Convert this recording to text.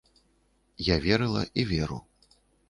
Я верыла, і веру.